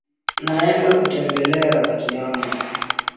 Naenda kutembelea rafiki yangu